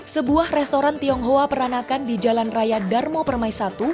sebuah restoran tionghoa peranakan di jalan raya darmo permai satu